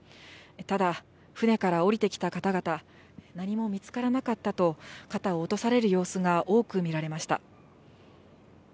ただ、船から降りてきた方々、何も見つからなかったと、肩を落とされる様子が多く見られました。